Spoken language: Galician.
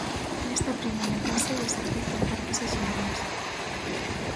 Nesta primeira fase desinfectan parques e xardíns.